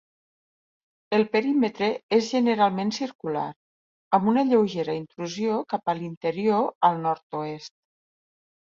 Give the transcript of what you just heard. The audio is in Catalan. El perímetre és generalment circular, amb una lleugera intrusió cap a l'interior al nord-oest.